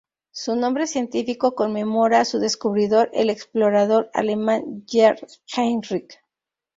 Su nombre científico conmemora a su descubridor, el explorador alemán Gerd Heinrich.